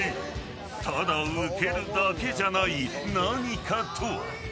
ただウケるだけじゃない何かとは。